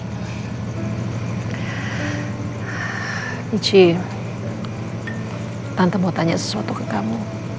icip tante mau tanya sesuatu ke kamu